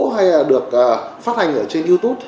hay là được phát hành ở trên youtube